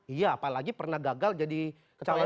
iya apalagi pernah gagal jadi ketua rt